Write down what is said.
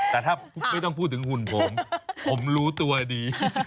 แต่ถ้าไม่ต้องพูดถึงหุ่นผมผมรู้ตัวดี